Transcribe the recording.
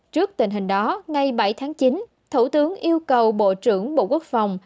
trước tình hình đó ngày bảy tháng chín thủ tướng yêu cầu bộ trưởng bộ quốc phòng